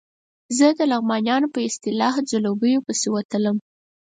زه د لغمانیانو په اصطلاح ځلوبیو پسې وتلم.